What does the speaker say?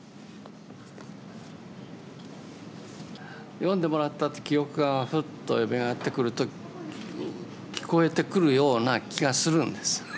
読んでもらった記憶がふっとよみがえってくると聞こえてくるような気がするんです。